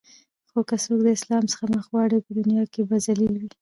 خو که څوک د اسلام څخه مخ واړوی په دنیا کی به ذلیل وی